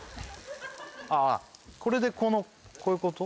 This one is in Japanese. ああこれでこのこういうこと？